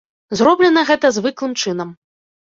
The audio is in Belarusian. Зроблена гэта звыклым чынам.